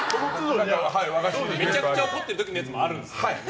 めちゃくちゃ怒ってる時のやつもあるんですね。